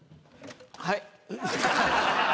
はい。